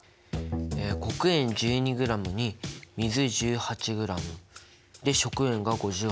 え黒鉛１２ｇに水１８ｇで食塩が５８．５ｇ。